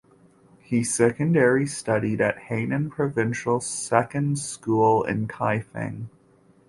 He secondary studied at Henan Provincial Second School in Kaifeng.